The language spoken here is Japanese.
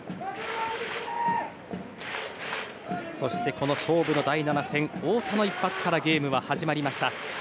そしてこの勝負の第７戦太田の一発からゲームは始まりました。